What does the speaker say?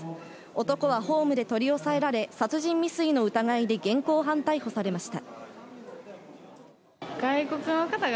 男はホームで取り押さえられ、殺人未遂の疑いで現行犯逮捕されました。